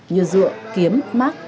như dựa kiếm mát